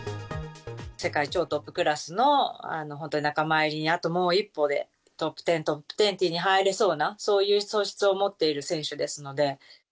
世界超トップクラスの、本当に仲間入りにあともう一歩で、トップ１０、トップ２０に入れそうな、そういう素質を持っている選手ですので。